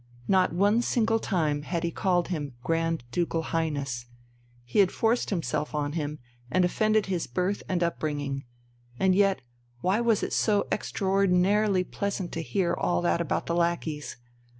Not one single time had he called him Grand Ducal Highness; he had forced himself on him and offended his birth and upbringing. And yet, why was it so extraordinarily pleasant to hear all that about the lackeys?